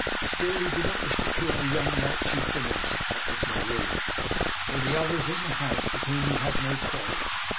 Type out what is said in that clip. Still, he did not wish to kill the young white chieftainess (that was Marie) or the others in the house, with whom he had no quarrel.